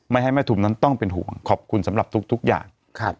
ให้แม่ทุมนั้นต้องเป็นห่วงขอบคุณสำหรับทุกอย่าง